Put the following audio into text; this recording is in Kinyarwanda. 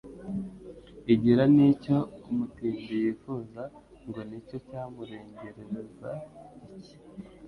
Igira n' icyo umutindi yifuza, Ngo ni cyo cyamurengereza icyi,